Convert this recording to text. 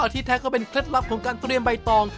ที่แท้ก็เป็นเคล็ดลับของการเตรียมใบตอง